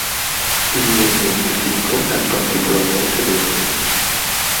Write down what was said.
Il legno di fico è particolarmente debole.